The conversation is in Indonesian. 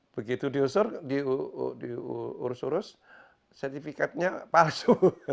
begitu diusur diurus urus sertifikatnya palsu